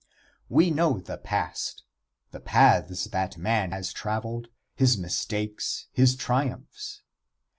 We know the past the paths that man has traveled his mistakes, his triumphs.